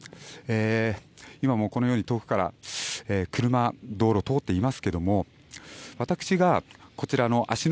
今もこのように遠くから車、道路を通っていますけども私がこちらの芦ノ